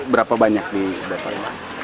berapa banyak di daerah